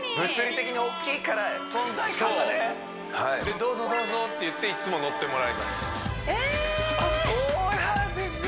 どうぞどうぞって言っていつも乗ってもらいますあっそうなんですね